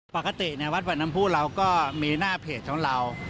ปกติในวัดขวัญน้ำผู้เราก็มีหน้าเพจของเรา